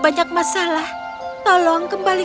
banyak masalah tolong kembali